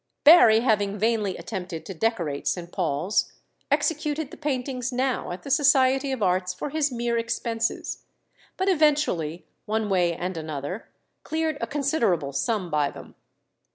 Barry having vainly attempted to decorate St. Paul's, executed the paintings now at the Society of Arts for his mere expenses, but eventually, one way and another, cleared a considerable sum by them.